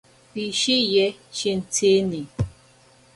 Pishiye shintsini.